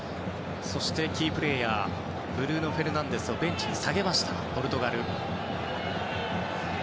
そしてキープレーヤーブルーノ・フェルナンデスをベンチに下げたポルトガル。